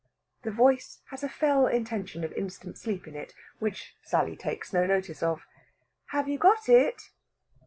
The voice has a fell intention of instant sleep in it which Sally takes no notice of. "Have you got it?"